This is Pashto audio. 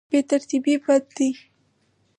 بې ترتیبي بد دی.